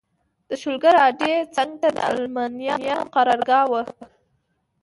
د شولګر اډې څنګ ته د المانیانو قرارګاه وه.